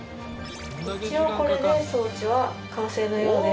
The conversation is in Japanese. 一応これで装置は完成のようです。